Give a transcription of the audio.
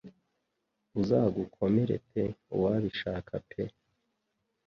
Uzagukomere pe uwabishaka pe